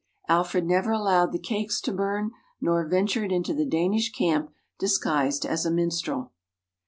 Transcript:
Alfred never allowed the cakes to burn, nor ventured into the Danish camp disguised as a minstrel.